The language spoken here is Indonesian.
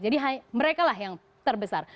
jadi mereka lah yang terbesar